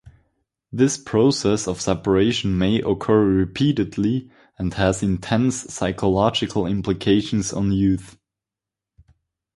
This process of separation may occur repeatedly and has intense psychological implications on youth.